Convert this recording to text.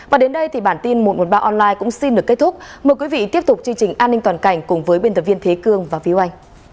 và đến đây thì bản tin một trăm một mươi ba online cũng xin được kết thúc mời quý vị tiếp tục chương trình an ninh toàn cảnh cùng với biên tập viên thế cương và phí oanh